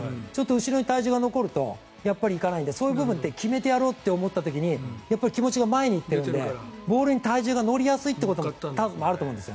後ろに体重が残ると行かないんでそういう部分って決めてやろうと思った時に気持ちが前に行ってるのでボールに体重が乗りやすいこともあると思うんです。